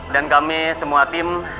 dan kami semua tim